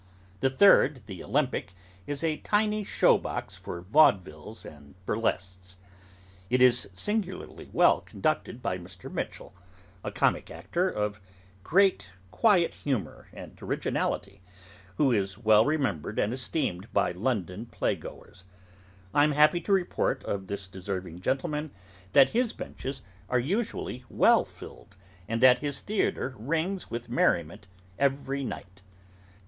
The third, the Olympic, is a tiny show box for vaudevilles and burlesques. It is singularly well conducted by Mr. Mitchell, a comic actor of great quiet humour and originality, who is well remembered and esteemed by London playgoers. I am happy to report of this deserving gentleman, that his benches are usually well filled, and that his theatre rings with merriment every night.